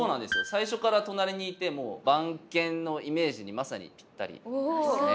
最初から隣にいてもう番犬のイメージにまさにぴったりですね。